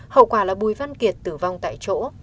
hậu quả là bùi văn kiệt tử vong tại chỗ